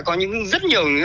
có những rất nhiều